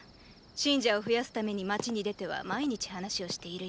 信者を増やすために街に出ては毎日話をしているよ。